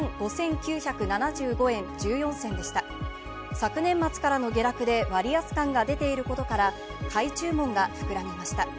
昨年末からの下落で割安感が出ていることから、買い注文が膨らみました。